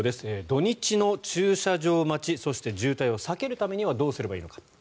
土日の駐車場待ちそして渋滞を避けるためにはどうすればいいのか。